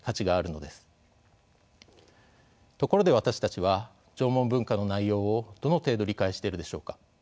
ところで私たちは縄文文化の内容をどの程度理解しているでしょうか？